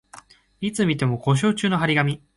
いつ見ても故障中の張り紙